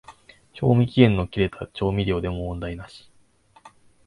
賞味期限の切れた調味料でも問題なし